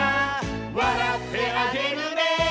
「わらってあげるね」